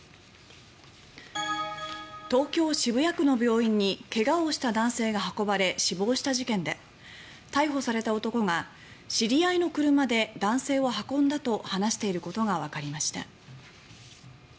東京・渋谷区の病院に怪我をした男性が運ばれ死亡した事件で逮捕された男が知り合いの車で男性を運んだと話していることがわかりました。